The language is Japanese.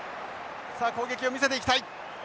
さあ攻撃を見せていきたい。